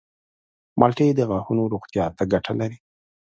مالټې د غاښونو روغتیا ته ګټه لري.